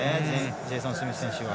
ジェイソン・スミス選手。